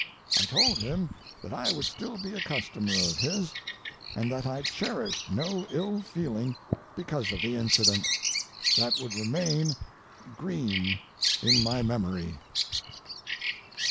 I told him that I would still be a customer of his, and that I cherished no ill feeling because of the incident—that would remain green in my memory.